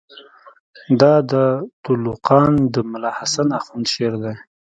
دا د تُلُقان د ملاحسن آخوند شعر دئ.